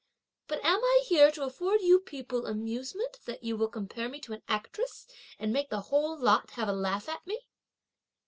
But am I here to afford you people amusement that you will compare me to an actress, and make the whole lot have a laugh at me?"